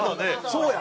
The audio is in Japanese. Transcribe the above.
そうや！